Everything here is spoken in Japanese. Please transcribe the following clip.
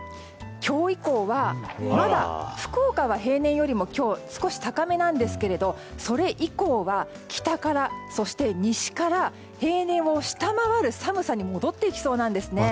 今日以降はまだ福岡は平年よりも少し高めなんですけれどそれ以降が北から、そして西から平年を下回る寒さに戻ってきそうなんです。